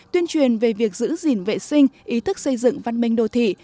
tuyên truyền về việc giữ gìn vệ sinh ý thức xây dựng văn minh đô thị